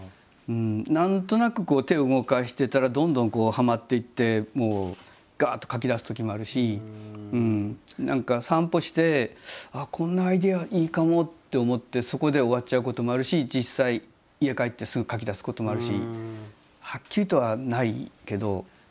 何となくこう手を動かしてたらどんどんはまっていってガッと描きだすときもあるし何か散歩してこんなアイデアいいかもって思ってそこで終わっちゃうこともあるし実際家帰ってすぐ描きだすこともあるしはっきりとはないけど。